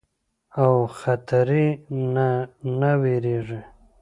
او خطري نه نۀ ويريږي